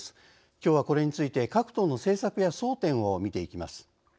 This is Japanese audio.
きょうはこれについて各党の政策や争点を見ていきます。